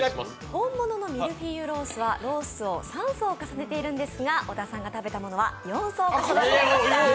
本物のミルフィーユロースはロースを３層重ねているんですが、小田さんが食べたものは４層でした。